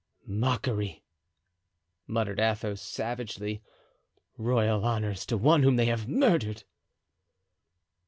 "Mockery," muttered Athos, savagely; "royal honors to one whom they have murdered!"